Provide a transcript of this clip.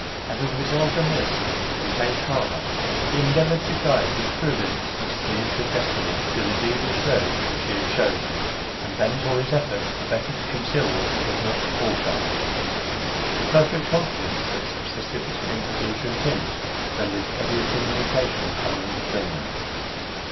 Having resolved on this, he became calmer. He endeavoured to guide with prudence the steeds of destiny through the devious road which he had chosen, and bent all his efforts the better to conceal what he could not alter. The perfect confidence that subsisted between Perdita and him, rendered every communication common between them.